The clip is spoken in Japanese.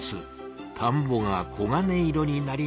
田んぼが黄金色になりました。